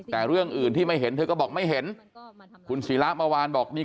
แต่เรื่องอื่นที่ไม่เห็นเธอก็บอกไม่เห็นคุณศิระเมื่อวานบอกนี่